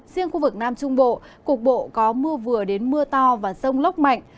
riêng khu vực nam trung bộ cục bộ có mưa vừa đến mưa to và rông lốc mạnh